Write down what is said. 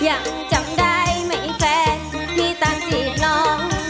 ยังจำได้ไหมแฟนพี่ตามจีบน้อง